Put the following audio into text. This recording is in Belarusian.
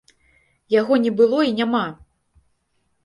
Яго не было і няма!